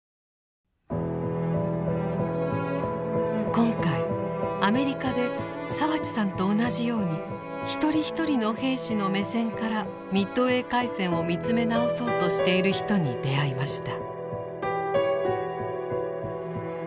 今回アメリカで澤地さんと同じように一人一人の兵士の目線からミッドウェー海戦を見つめ直そうとしている人に出会いました。